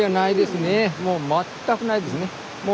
もう全くないですね。